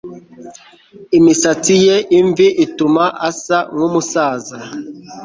Imisatsi ye imvi ituma asa nkumusaza